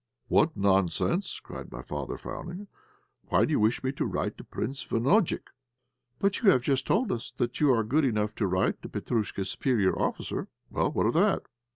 "What nonsense!" cried my father, frowning. "Why do you wish me to write to Prince Banojik?" "But you have just told us you are good enough to write to Petróusha's superior officer." "Well, what of that?"